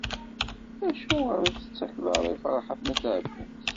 Acuɣer ur t-tettakkeḍ ara i Ferḥat n At Ɛebbas?